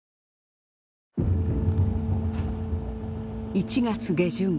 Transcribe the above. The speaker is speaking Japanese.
１月下旬。